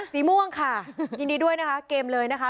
สีม่วงค่ะยินดีด้วยนะคะเกมเลยนะคะ